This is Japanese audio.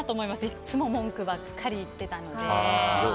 いつも文句ばっかり言ってたので。